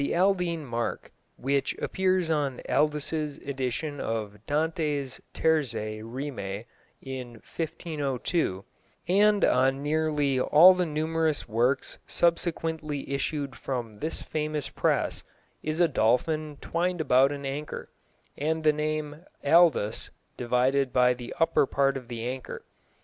_)] The Aldine mark, which appears on Aldus' edition of Dante's Terze Rime in 1502, and on nearly all the numerous works subsequently issued from this famous press, is a dolphin twined about an anchor, and the name ALDVS divided by the upper part of the anchor.